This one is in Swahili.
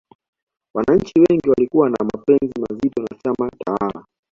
wananchi wengi walikuwa na mapenzi mazito na chama tawala